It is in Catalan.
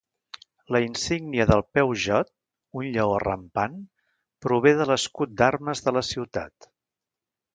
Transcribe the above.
La insígnia de Peugeot, un lleó rampant, prové de l"escut d"armes de la ciutat.